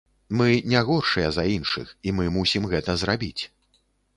Мы не горшыя за іншых і мы мусім гэта зрабіць.